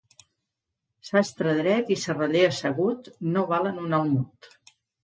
Sastre dret i serraller assegut no valen un almud.